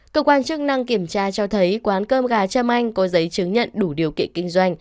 cơ quan chức năng kiểm tra cho thấy quán cơm gà trâm anh có giấy chứng nhận đủ điều kiện kinh doanh